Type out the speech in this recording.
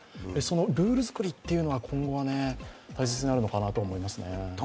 そのルール作りっていうのは今後、大切になるのかなと思いますね。